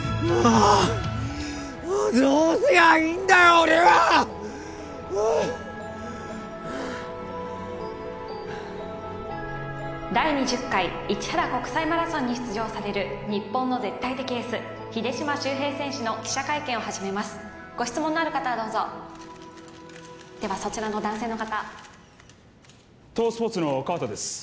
ああっはあっ第２０回市原国際マラソンに出場される日本の絶対的エース秀島修平選手の記者会見を始めますご質問のある方はどうぞではそちらの男性の方東央スポーツの川田です